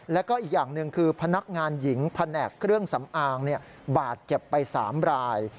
แล้วก็อีกอย่างหนึ่งคือพนักงานหญิงแผนกเครื่องสำอางบาดเจ็บไป๓ราย